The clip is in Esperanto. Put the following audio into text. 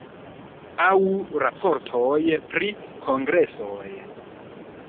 Aŭ raportoj pri kongresoj.